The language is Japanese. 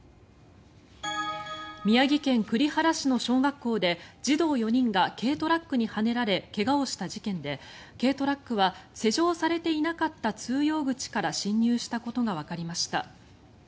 宮城県栗原市の小学校で児童４人が軽トラックにはねられ怪我をした事件で軽トラックは施錠されていなかった通用口から侵入していたことがわかりました。